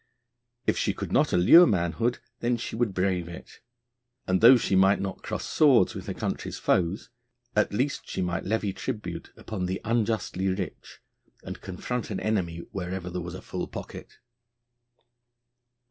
If she could not allure manhood, then would she brave it. And though she might not cross swords with her country's foes, at least she might levy tribute upon the unjustly rich, and confront an enemy wherever there was a full pocket.